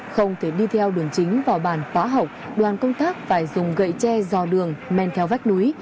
không thể đi theo đường chính vào bản khóa học đoàn công tác phải dùng gậy tre dò đường men theo vách núi